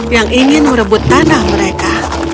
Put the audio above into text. yang ingin merebut tanah mereka